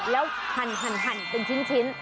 แล้วหั่นเป็นชิ้น